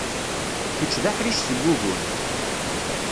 Kečč d aḥric seg ugur.